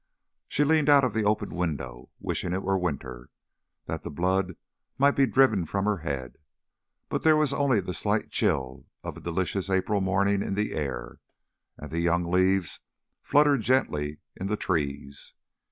She leaned out of the open window, wishing it were winter, that the blood might be driven from her head; but there was only the slight chill of a delicious April morning in the air, and the young leaves fluttered gently in the trees.